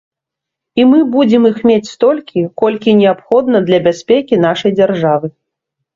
І мы будзем іх мець столькі, колькі неабходна для бяспекі нашай дзяржавы.